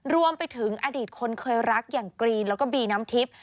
รวมไปถึงอดีตคนเคยรักอย่างกรีนแล้วก็บีน้ำทิพย์